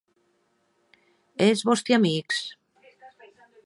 E es vòsti amics?